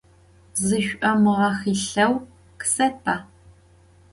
Zış'omığehılheu, khısetba.